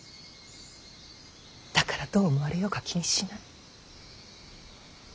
だからどう思われようが気にしない。